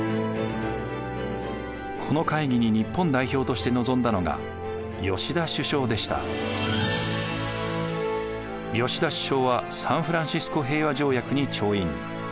この会議に日本代表として臨んだのが吉田首相はサンフランシスコ平和条約に調印。